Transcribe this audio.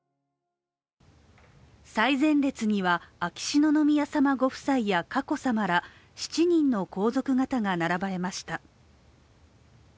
最前列には、秋篠宮さまご夫妻や佳子さまら７人の皇族方が並ばれました。